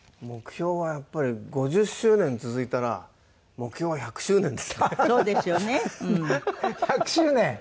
目標はやっぱり５０周年続いたら目標は１００周年ですね。